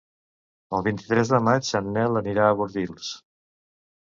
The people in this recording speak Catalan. El vint-i-tres de maig en Nel anirà a Bordils.